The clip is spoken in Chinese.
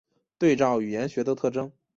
对照语言学的特征。